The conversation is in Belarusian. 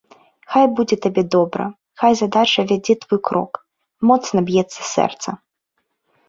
Хай будзе табе добра, хай задача вядзе твой крок, моцна б'ецца сэрца.